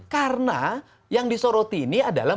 karena yang disoroti ini adalah